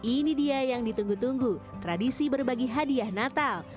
ini dia yang ditunggu tunggu tradisi berbagi hadiah natal